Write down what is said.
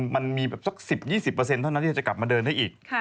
มันมีแบบสัก๑๐๒๐เท่านั้นที่จะกลับมาเดินได้อีก